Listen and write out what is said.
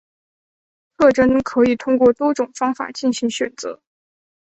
特征可以通过多种方法进行选择。